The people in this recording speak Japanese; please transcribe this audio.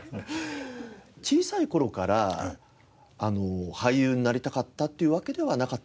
小さい頃から俳優になりたかったっていうわけではなかったんですか？